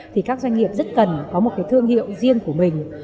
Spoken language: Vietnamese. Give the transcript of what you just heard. thì các doanh nghiệp rất cần có một thương hiệu riêng của mình